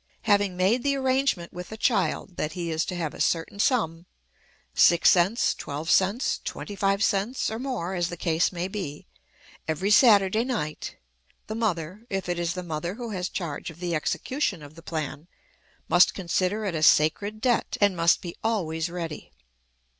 Having made the arrangement with a child that he is to have a certain sum six cents, twelve cents, twenty five cents, or more, as the case may be every Saturday night, the mother if it is the mother who has charge of the execution of the plan must consider it a sacred debt, and must be always ready.